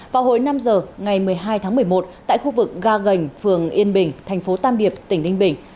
vào hồi năm giờ ngày một mươi hai tháng một mươi một tại khu vực ga gành phường yên bình thành phố tam điệp tỉnh ninh bình